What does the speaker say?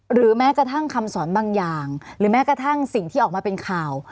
หรือแม้กระทั่งคำสอนบางอย่างหรือแม้กระทั่งสิ่งที่ออกมาเป็นข่าว